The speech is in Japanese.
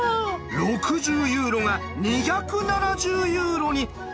６０ユーロが２７０ユーロに。